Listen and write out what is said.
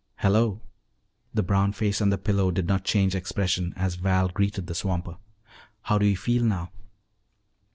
"Hello." The brown face on the pillow did not change expression as Val greeted the swamper. "How do you feel now?"